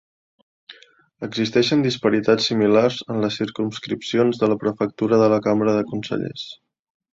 Existeixen disparitats similars en les circumscripcions de la prefectura de la Cambra de Consellers.